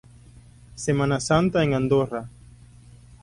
Semana Santa en Andorra".